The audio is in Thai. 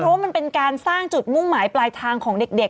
เพราะว่ามันเป็นการสร้างจุดมุ่งหมายปลายทางของเด็ก